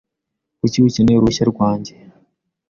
Kuki ukeneye uruhushya rwanjye?